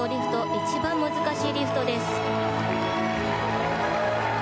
一番難しいリフトです。